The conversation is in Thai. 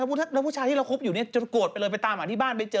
แล้วผู้ชายที่เราคบอยู่จะโกดไปเลยไปตามในบ้านไปเจอ